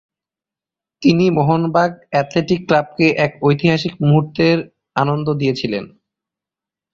তিনি মোহনবাগান অ্যাথলেটিক ক্লাবকে এক ঐতিহাসিক মুহূর্তের আনন্দ দিয়েছিলেন।